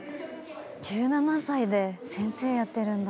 １７歳で先生やってるんだ。